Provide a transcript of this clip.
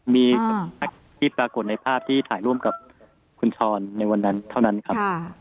มีที่ปรากฏในภาพที่ถ่ายร่วมกับคุณช้อนในวันนั้นเท่านั้นครับ